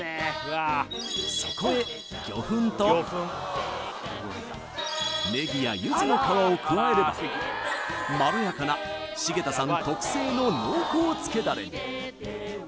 そこへ魚粉とネギや柚子の皮を加えればまろやかな繁田さん特製の濃厚つけダレに！